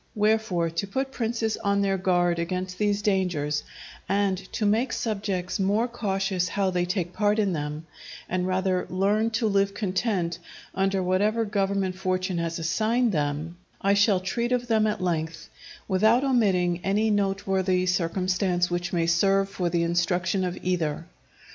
Wherefore, to put princes on their guard against these dangers, and to make subjects more cautious how they take part in them, and rather learn to live content under whatever government fortune has assigned them, I shall treat of them at length, without omitting any noteworthy circumstance which may serve for the instruction of either.